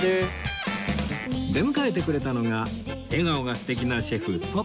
出迎えてくれたのが笑顔が素敵なシェフポコさん